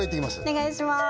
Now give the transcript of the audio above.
お願いします